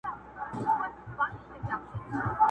څوک به مات کي زندانونه څوک به ښخ کړي ځینځیرونه٫